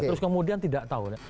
terus kemudian tidak tahu